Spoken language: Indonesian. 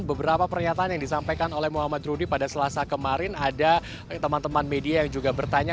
beberapa pernyataan yang disampaikan oleh muhammad rudi pada selasa kemarin ada teman teman media yang juga bertanya